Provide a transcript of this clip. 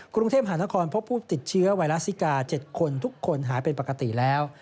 กรุงเทพหานครพบผู้ติดเชื้อไวรัสซิกา๗คนทุกคนหายเป็นปกติแล้ว